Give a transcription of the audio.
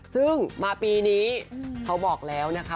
ซึ่งมาปีนี้เขาบอกแล้วนะคะ